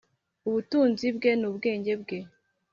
ubutunzi bwe n’ubwenge bwe,